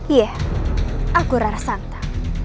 iya aku rara santa